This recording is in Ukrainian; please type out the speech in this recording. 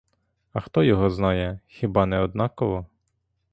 А хто його знає — хіба не однаково?